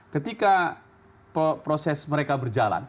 ketika proses mereka berjalan